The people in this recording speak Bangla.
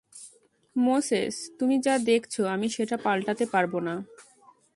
মোসেস, তুমি যা দেখছ আমি সেটা পাল্টাতে পারব না।